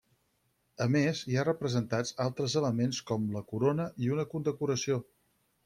A més hi ha representats altres elements com la corona i una condecoració.